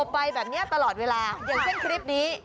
ไปแบบนี้ตลอดเวลาอย่างเช่นคลิปนี้